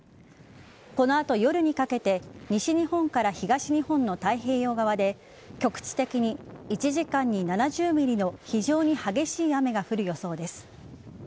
この後、夜にかけて西日本から東日本の太平洋側で局地的に１時間に７０ｍｍの非常に激しい雨が降る予想です。